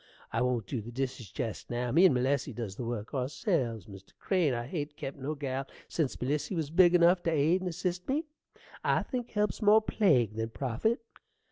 I won't dew the dishes jest now. Me and Melissy does the work ourselves, Mr. Crane. I hain't kept no gal sense Melissy was big enough t' aid and assist me. I think help's more plague than profit.